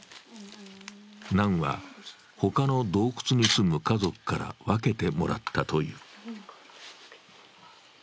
ナンは、他の洞窟に住む家族から分けてもらったという。